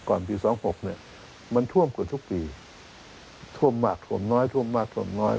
ปีสองหกเนี่ยมันท่วมกว่าทุกปีท่วมมากถวมน้อยท่วมมากถ่วมน้อย